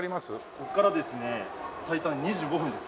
ここからですね最短２５分です。